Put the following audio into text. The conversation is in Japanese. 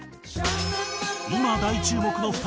今大注目の２人。